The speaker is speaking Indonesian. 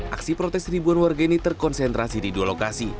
aksi protes ribuan warga ini terkonsentrasi di dua lokasi